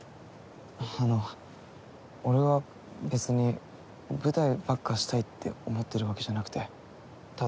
あの俺は別に舞台ばっかしたいって思ってるわけじゃなくてただ。